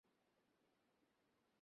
যেখানে আশ্রয় পাই, সেখানে ঘুমাই।